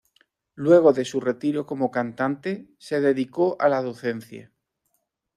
Luego de su retiro como cantante, se dedicó a la docencia.